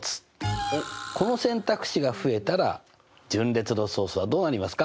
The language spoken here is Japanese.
この選択肢が増えたら順列の総数はどうなりますか？